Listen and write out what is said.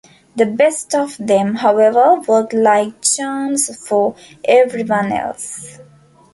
The best of them, however, worked like charms for everyone else.